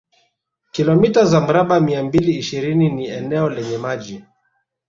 Kilomita za mraba mia mbili ishirini ni eneo lenye maji